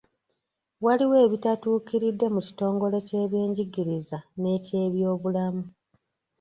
Waliwo ebitatuukiridde mu kitongole ky'ebyenjigiriza n'ekyebyobulamu.